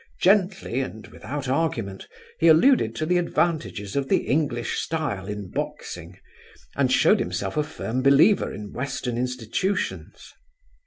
Gently and without argument he alluded to the advantages of the English style in boxing, and showed himself a firm believer in Western institutions.